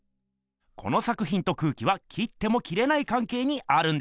この作ひんと空気は切っても切れないかんけいにあるんです。